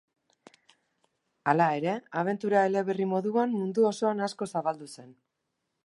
Hala ere, abentura-eleberri moduan mundu osoan asko zabaldu zen.